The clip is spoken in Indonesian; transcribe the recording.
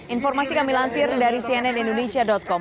informasi kami lansir dari cnnindonesia com